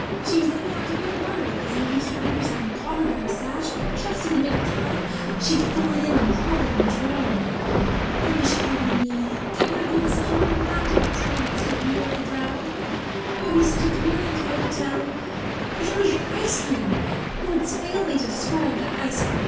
She was leaning out to pick water lilies and if Mr. Andrews hadn't caught her by her sash just in the nick of time she'd fallen in and prob'ly been drowned. I wish it had been me. It would have been such a romantic experience to have been nearly drowned. It would be such a thrilling tale to tell. And we had the ice cream. Words fail me to describe that ice cream.